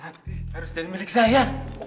hati harus jadi milik saya